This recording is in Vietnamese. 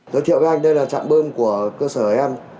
giới thiệu với anh đây là trạm bơm của cơ sở em